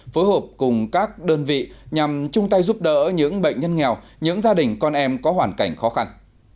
phối hợp cùng các đơn vị nhằm chung tay giúp đỡ những bệnh nhân nghèo những gia đình con em có hoàn cảnh khó khăn